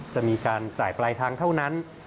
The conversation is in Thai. จะมีการจ่ายปลายทางเท่านั้น